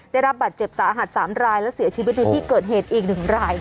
ได้รับบาดเจ็บสาหัส๓รายและเสียชีวิตในที่เกิดเหตุอีก๑ราย